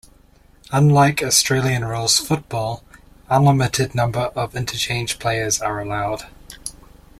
Unlike Australian Rules Football, unlimited number of interchange players are allowed.